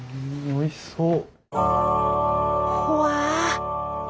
おいしそう。